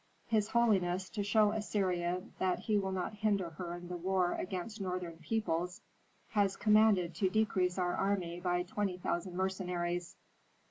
His holiness, to show Assyria that he will not hinder her in the war against northern peoples, has commanded to decrease our army by twenty thousand mercenaries."